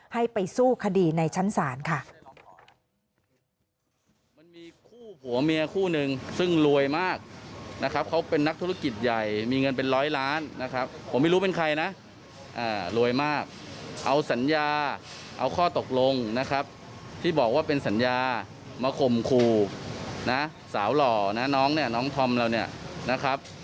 ให้ไปสู้คดีในชั้นศาลค่ะ